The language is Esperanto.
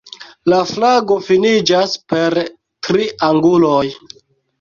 La flago finiĝas per tri anguloj.